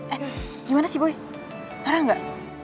eh gimana sih boy parah nggak